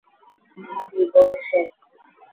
ভাবি, বসেন।